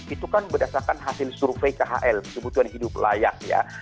itu kan berdasarkan hasil survei khl kebutuhan hidup layak ya